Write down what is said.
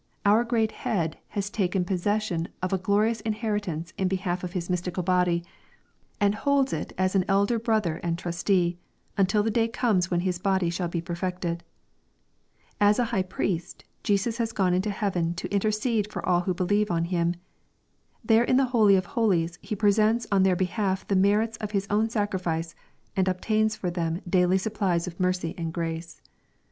Our great Head has taken possession of a glorious inheritance in behalf of Hia mystical body, and holds it as an elder brother and trustee, until the day comes when His body shall be perfected. — ^As a High Priest, Jesus has gone into heaven to in tercede for aU who believe on Him. There in the holy of holies He presents on their behalf the merit of His own sacrifice, and obtains for them daily supplies of niercy and grace.